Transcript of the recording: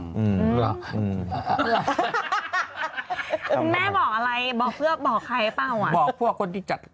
มันแม่บอกอะไรบอกเครื่องบอกใครเปล่าว่าบอกพวกคนที่จัด